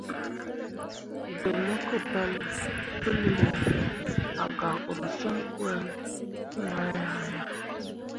Ɗəḅ mo kaaɓəl pəli ɓe, a gak ursəŋ gwari təʼnan ah ya.